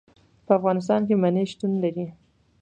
په افغانستان کې منی شتون لري.